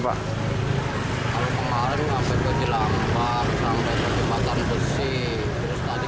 kemarin sampai ke jelampar sampai ke jembatan besi